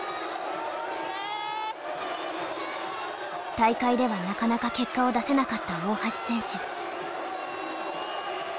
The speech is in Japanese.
大会ではなかなか結果を出せなかった大橋選手。